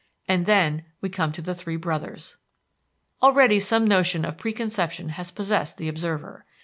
And then we come to the Three Brothers. Already some notion of preconception has possessed the observer.